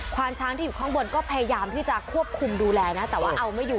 ความช้างที่อยู่ข้างบนก็พยายามที่จะควบคุมดูแลนะแต่ว่าเอาไม่อยู่